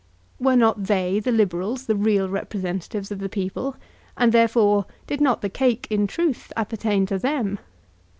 Were not they, the Liberals, the real representatives of the people, and, therefore, did not the cake in truth appertain to them?